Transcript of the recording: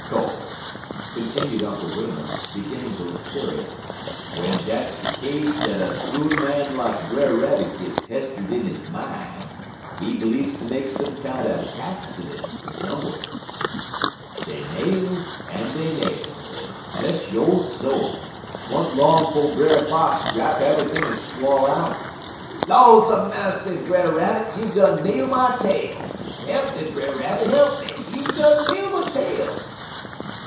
Co'se," continued Uncle Remus, beginning to look serious, "w'en dat's de case dat a soon man lak Brer Rabbit git pester'd in he min', he bleedz ter make some kinder accidents some'rs. "Dey nailed en dey nailed, en, bless yo' soul! 't wa'n't long 'fo' Brer Fox drap eve'yt'ing en squall out: "'Laws 'a' massy, Brer Rabbit! You done nail my tail. He'p me, Brer Rabbit, he'p me! You done nail my tail!'"